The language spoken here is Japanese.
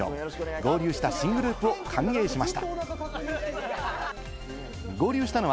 合流した新グループを歓迎しました。